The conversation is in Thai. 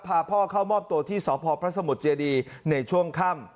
พาพ่อเข้ามอบตัวที่สพพระสมุทรเจดีในช่วงค่ำ